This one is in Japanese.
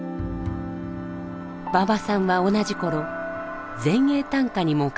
馬場さんは同じ頃前衛短歌にも関わっていきます。